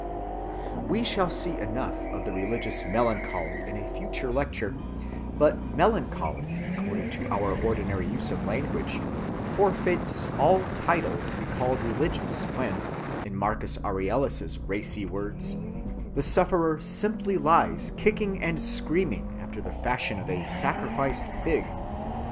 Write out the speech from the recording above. We shall see enough of the religious melancholy in a future lecture; but melancholy, according to our ordinary use of language, forfeits all title to be called religious when, in Marcus Aurelius's racy words, the sufferer simply lies kicking and screaming after the fashion of a sacrificed pig.